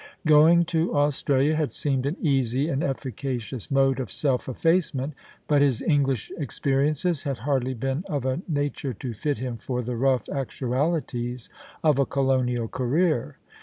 Going to Australia had seemed an easy and efficacious mode of self effacement ; but his English experiences had hardly been of a nature to fit him for the rough actualities of a colonial career.